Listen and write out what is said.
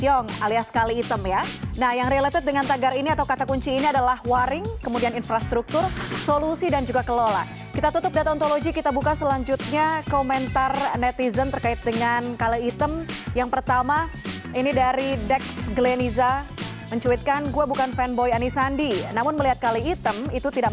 oke baik terima kasih atas informasi anda jajari izal ahli sejarah jakarta